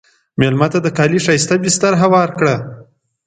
مېلمه ته د کالي ښایسته بستر هوار کړه.